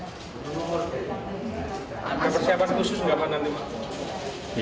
ada persiapan khusus nggak pak nanti pak